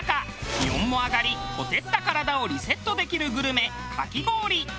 気温も上がり火照った体をリセットできるグルメかき氷。